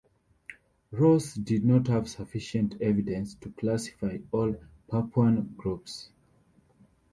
Ross did not have sufficient evidence to classify all Papuan groups.